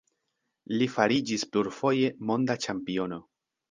Li fariĝis plurfoje monda ĉampiono.